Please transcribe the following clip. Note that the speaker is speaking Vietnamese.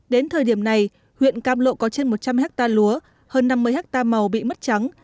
đến thời điểm này huyện cam lộ có trên một trăm linh hectare lúa hơn năm mươi hectare màu bị mất trắng